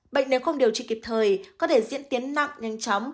bệnh nếu không điều trị kịp thời có thể diễn tiến nặng nhanh chóng